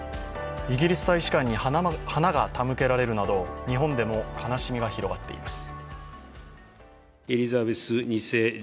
イギリス大使館に花が手向けられるなど日本でも悲しみが広がっています。